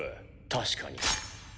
確かに。